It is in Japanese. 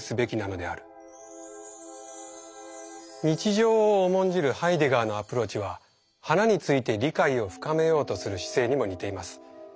日常を重んじるハイデガーのアプローチは花について理解を深めようとする姿勢にも似ています。